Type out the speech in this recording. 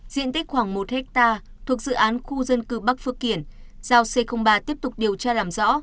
diện tích khoảng một hectare thuộc dự án khu dân cư bắc phước kiển giao c ba tiếp tục điều tra làm rõ